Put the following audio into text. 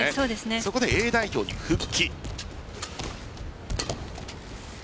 そこでＡ代表に復帰。